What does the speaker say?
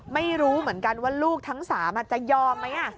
ไม่รู้เหมือนกันว่าลูกทั้ง๓จะยอมไหม